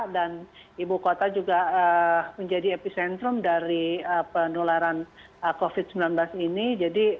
dan ibu kota juga menjadi epicentrum dari penularan covid sembilan belas ini